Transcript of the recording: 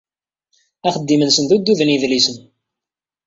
Axeddim-nsen d uddud n yedlisen.